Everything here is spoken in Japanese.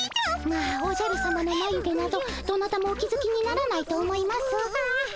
まあおじゃるさまのまゆ毛などどなたもお気づきにならないと思いますが。